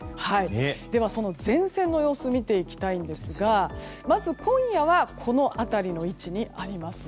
では、その前線の様子を見ていきたいんですがまず今夜はこの辺りの位置にあります。